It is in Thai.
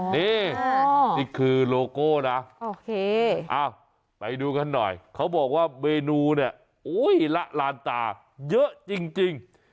นี่นี่คือโลโก้นะโอเคไปดูกันหน่อยเขาบอกว่าเมนูเนี่ยอุ้ยละลานตาเยอะจริง